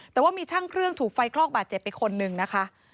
แต่ว่ามีช่างเครื่องถูกไฟคลอกบาดเจ็บไปคนนึงนะคะ